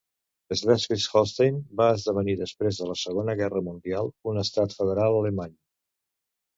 Slesvig-Holstein va esdevenir després de la Segona Guerra mundial un estat federal alemany.